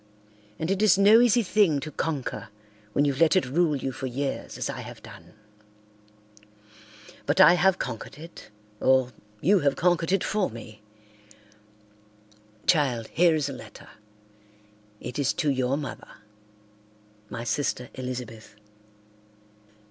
And it is no easy thing to conquer when you've let it rule you for years as I have done. But I have conquered it, or you have conquered it for me. Child, here is a letter. It is to your mother—my sister Elizabeth.